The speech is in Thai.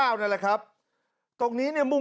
แล้วมันเข้าฝั่งคนขาดมันเป็นจังหวะเต็มเลยนะ